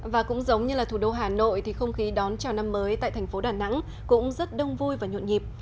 và cũng giống như là thủ đô hà nội thì không khí đón chào năm mới tại thành phố đà nẵng cũng rất đông vui và nhộn nhịp